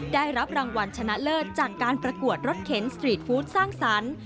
ได้รับรางวัลชนะเลิศจากการประกวดรถเข็นสตรีทฟู้ดสร้างสรรค์